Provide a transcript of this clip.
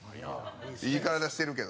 いい体してるけど。